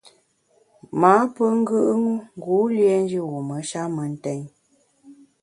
M’â pe ngù u ngu lienjù wume sha mentèn.